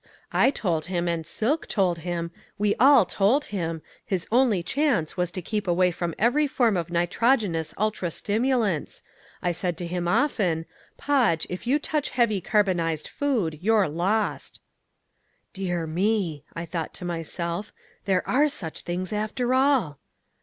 I told him and Silk told him we all told him his only chance was to keep away from every form of nitrogenous ultra stimulants. I said to him often, 'Podge, if you touch heavy carbonized food, you're lost.'" "Dear me," I thought to myself, "there ARE such things after all!"